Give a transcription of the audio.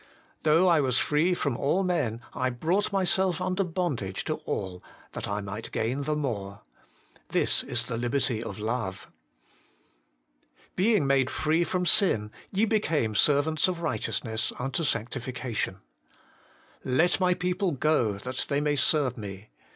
' Though I was free from all men, I brought myself under bondage to all, that I might gain the more.' This is the liberty of love. 5. ' Being made free from sin, ye became servants of righteousness unto sanctification.' 'Let my people go, that they may serve me.'